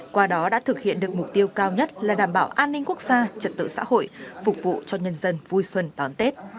qua đó đã thực hiện được mục tiêu cao nhất là đảm bảo an ninh quốc gia trật tự xã hội phục vụ cho nhân dân vui xuân đón tết